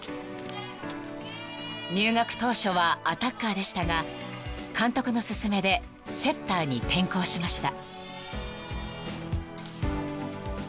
［入学当初はアタッカーでしたが監督の勧めでセッターに転向しました］